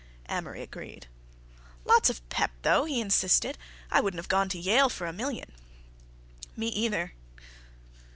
Amory agreed. "Lot of pep, though," he insisted. "I wouldn't have gone to Yale for a million." "Me either."